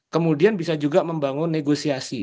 kemudian bisa juga membangun negosiasi